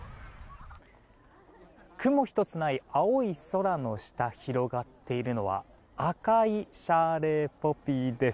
雲ひとつない青い空の下広がっているのは赤いシャーレーポピーです。